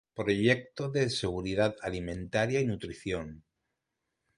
Proyecto de Ley de Seguridad Alimentaria y Nutrición.